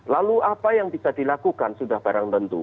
lalu apa yang bisa dilakukan sudah barang tentu